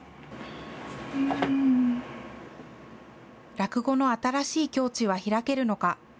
落語の新しい境地は開けるのか。